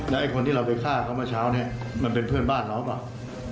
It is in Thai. แล้วไอ้คนที่เราไปฆ่าเขามาเช้าเนี่ยมันเป็นเพื่อนบ้านเราหรือเปล่า